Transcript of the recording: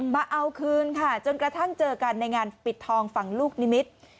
มาเอาคืนค่ะจนกระทั่งเจอกันในงานปิดทองฝั่งลูกนิมิตร